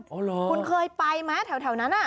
อ๋อรึมั้ยคุณเคยไปไหมแถวนั้น